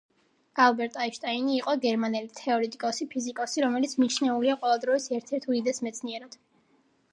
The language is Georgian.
ალბერტ აინშტაინი იყო გერმანელი თეორიტიკოსი ფიზიკოსი, რომელიც მიჩნეულია ყველა დროის ერთ-ერთ უდიდეს მეცნიერად.